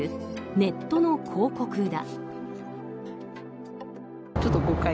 ネットの広告だ。